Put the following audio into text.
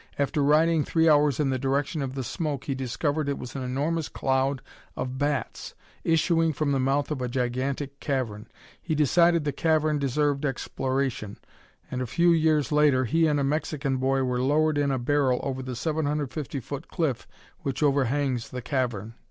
After riding three hours in the direction of the smoke he discovered that it was an enormous cloud of bats issuing from the mouth of a gigantic cavern. He decided the cavern deserved exploration, and a few years later he and a Mexican boy were lowered in a barrel over the 750 foot cliff which overhangs the cavern.